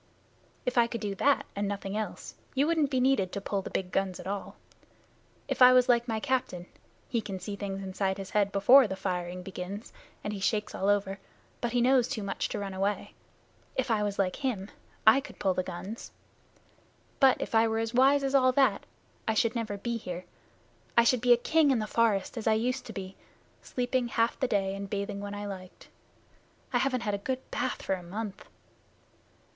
"If I could do that and nothing else, you wouldn't be needed to pull the big guns at all. If I was like my captain he can see things inside his head before the firing begins, and he shakes all over, but he knows too much to run away if I was like him I could pull the guns. But if I were as wise as all that I should never be here. I should be a king in the forest, as I used to be, sleeping half the day and bathing when I liked. I haven't had a good bath for a month."